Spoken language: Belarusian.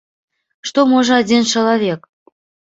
Што можа адзін чалавек?